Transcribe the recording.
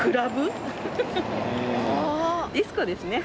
ディスコですね。